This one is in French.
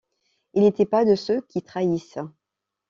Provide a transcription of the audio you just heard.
Il n'était pas de ceux qui trahissent.